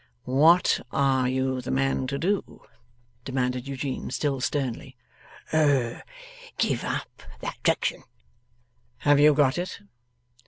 'What are you the man to do?' demanded Eugene, still sternly. 'Er give up that drection.' 'Have you got it?